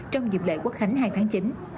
trong dịp lễ quốc khánh hai tháng chín